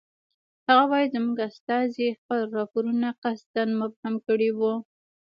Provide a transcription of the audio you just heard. هغه وایي زموږ استازي خپل راپورونه قصداً مبهم کړی وو.